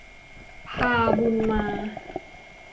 พาบุญมา